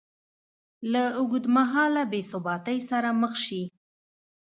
له اوږدمهاله بېثباتۍ سره مخ شي